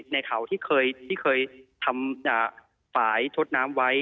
ในเขาที่เคยทำฝ่ายชดน้ำไว้